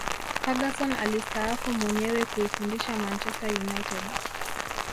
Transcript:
ferguson alistaafu mwenyewe kuifundisha manchester united